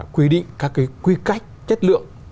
quy định các quy cách chất lượng